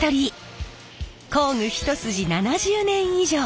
工具一筋７０年以上！